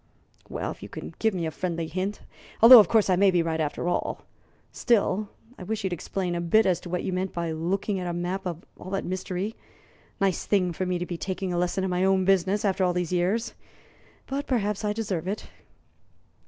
"Well, if you can give me a friendly hint, although, of course, I may be right, after all. Still, I wish you'd explain a bit as to what you meant by looking at a map and all that mystery. Nice thing for me to be taking a lesson in my own business after all these years! But perhaps I deserve it."